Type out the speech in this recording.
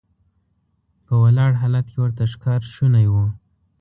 په ولاړ حالت کې ورته ښکار شونی و.